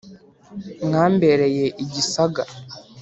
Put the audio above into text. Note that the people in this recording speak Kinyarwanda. mwambereye igisaga